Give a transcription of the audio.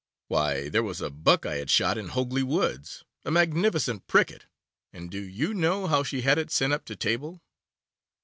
Why, there was a buck I had shot in Hogley Woods, a magnificent pricket, and do you know how she had it sent up to table?